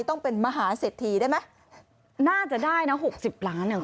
ต้องเป็นมหาเสร็จทีได้มั้ยน่าจะได้นะหกสิบล้านหละคุณ